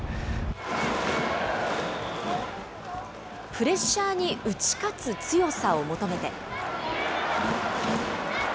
プレッシャーに打ち勝つ強さを求めて。